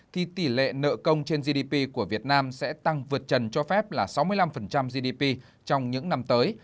thì tỷ lệ nợ công trên gdp của việt nam sẽ tăng vượt trần cho phép là sáu mươi năm gdp trong những năm tới